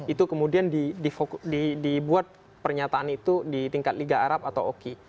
itu kemudian dibuat pernyataan itu di tingkat liga arab atau oki